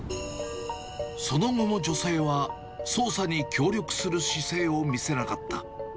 その後も女性は捜査に協力する姿勢を見せなかった。